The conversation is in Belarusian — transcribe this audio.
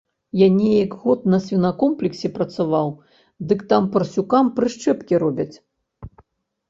Я неяк год на свінакомплексе працаваў, дык там парсюкам прышчэпкі робяць.